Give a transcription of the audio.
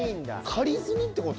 借り済みって事？